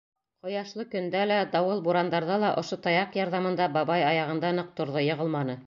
Ҡояшлы көндә лә, дауыл-бурандарҙа ла ошо таяҡ ярҙамында бабай аяғында ныҡ торҙо, йығылманы.